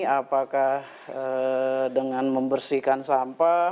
apakah dengan membersihkan sampah